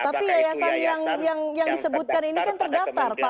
tapi yayasan yang disebutkan ini kan terdaftar pak